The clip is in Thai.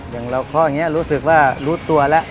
อย่างเราข้ออย่างนี้รู้สึกว่ารู้ตัวแล้ว